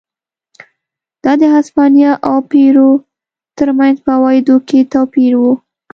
دا د هسپانیا او پیرو ترمنځ په عوایدو کې توپیر و.